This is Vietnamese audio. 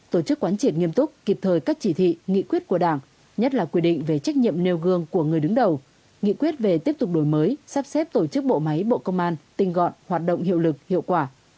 tổ chức quán triển nghiêm túc kịp thời các chỉ thị nghị quyết của đảng nhất là quy định về trách nhiệm nêu gương của người đứng đầu nghị quyết về tiếp tục đổi mới sắp xếp tổ chức bộ máy bộ công an tinh gọn hoạt động hiệu lực hiệu quả